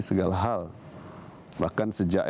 segala hal bahkan sejak